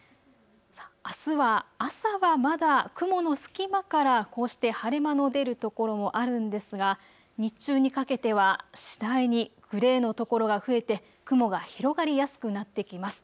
あすは朝はまだ雲の隙間からこうして晴れ間の出る所もあるんですが日中にかけては次第にグレーの所が増えて雲が広がりやすくなってきます。